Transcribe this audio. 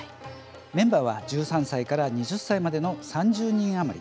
メンバーは１３歳から２０歳までの３０人余り。